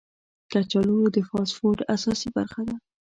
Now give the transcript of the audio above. کچالو د فاسټ فوډ اساسي برخه ده